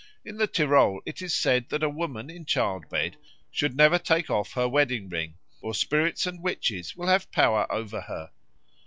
In the Tyrol it is said that a woman in childbed should never take off her wedding ring, or spirits and witches will have power over her.